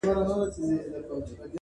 چي د بڼو پر څوکه ژوند کي دي پخلا ووینم٫